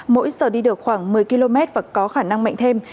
mỗi giờ đi được khoảng một mươi km và có khả năng mạnh thêm